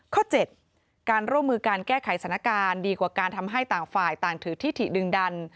๗การร่วมมือการแก้ไขสถานการณ์ดีกว่าการทำให้ต่างฝ่ายต่างถือทิถิดึงดัน